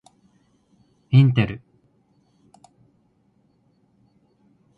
インテル